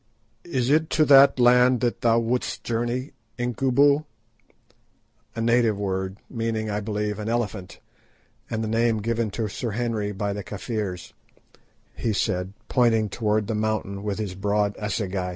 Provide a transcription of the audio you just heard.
"Is it to that land that thou wouldst journey, Incubu?" (a native word meaning, I believe, an elephant, and the name given to Sir Henry by the Kafirs), he said, pointing towards the mountain with his broad assegai.